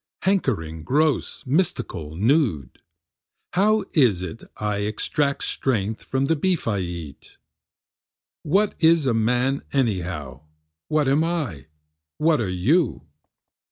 hankering, gross, mystical, nude; How is it I extract strength from the beef I eat? What is a man anyhow? what am I? what are you?